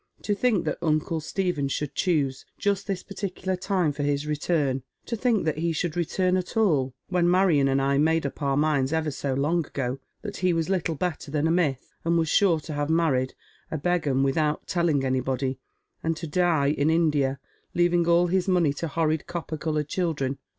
To think that uncle Stephen should choose just this particular time for his return ; to think that he should return at all, when Maiion and I made up our minds ever so long ago that he was little better than a myth, and was sure to have married a begum without telling anybody, and to die in India, leaving all his money to horrid copper colom ed children.